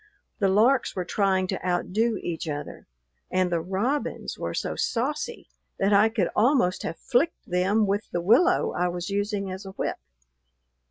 The larks were trying to outdo each other and the robins were so saucy that I could almost have flicked them with the willow I was using as a whip.